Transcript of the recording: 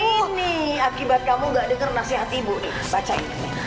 ini akibat kamu nggak dengar nasihat ibu baca ini